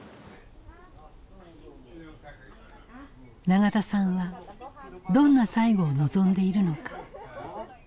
永田さんはどんな最期を望んでいるのか。